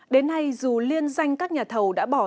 đến nay dù liên danh các nhà thầu đã bỏ